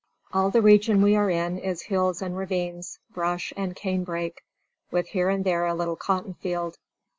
"All the region we are in is hills and ravines, brush and cane brake, with here and there a little cotton field.